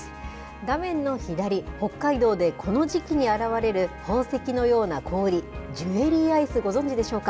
画面の左、北海道でこの時季に現れる宝石のような氷、ジュエリーアイス、ご存じでしょうか。